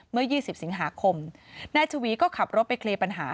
เมื่อ๒๐สิงหาคมนายชวีก็ขับรถไปเคลียร์ปัญหา